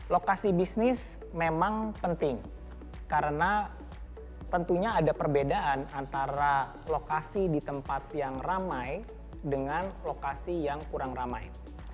lokasi bisnis memang penting karena tentunya ada perbedaan antara lokasi di tempat yang ramai dengan lokasi yang kurang ramai